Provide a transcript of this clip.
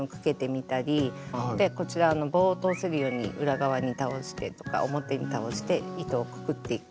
こちら棒を通せるように裏側に倒してとか表に倒して糸をくくっていく。